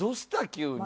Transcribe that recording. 急に。